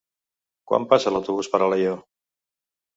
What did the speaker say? Quan passa l'autobús per Alaior?